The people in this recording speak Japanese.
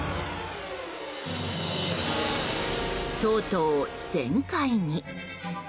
とうとう全壊に。